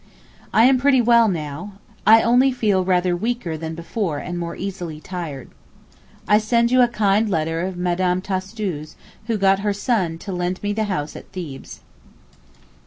I am pretty well now; I only feel rather weaker than before and more easily tired. I send you a kind letter of Mme. Tastu's, who got her son to lend me the house at Thebes.